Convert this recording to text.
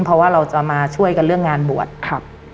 เพราะว่าเราจะมาช่วยกันเรื่องงานบวชครับ